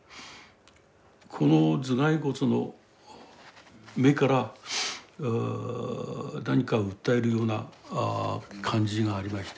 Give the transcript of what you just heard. この頭蓋骨の目から何かを訴えるような感じがありまして。